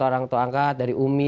orang tua angkat dari umi